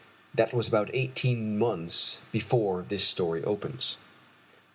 That was about eighteen months before this story opens.